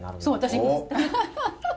そう私。